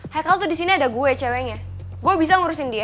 haikal tuh di sini ada gue ceweknya gue bisa ngurusin dia